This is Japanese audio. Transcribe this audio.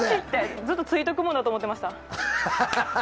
ずっとついているものだと思ってました。